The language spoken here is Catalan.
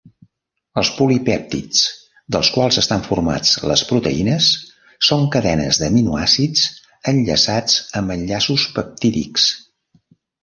Els polipèptids dels quals estan formats les proteïnes són cadenes d'aminoàcids enllaçats amb enllaços peptídics.